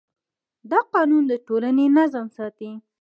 دا قانون د ټولنې نظم ساتي.